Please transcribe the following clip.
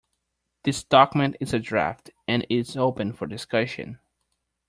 This document is a draft, and is open for discussion